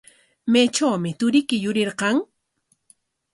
¿Maytrawmi turiyki yurirqan?